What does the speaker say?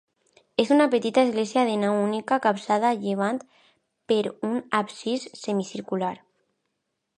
És una petita església de nau única capçada a llevant per un absis semicircular.